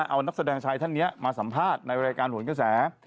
เอานักแสดงชายท่านนี้มาสัมภาษณ์ในรายการหวนกระแส